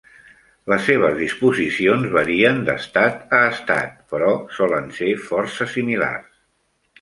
Les seves disposicions varien d'estat a estat, però solen ser força similars.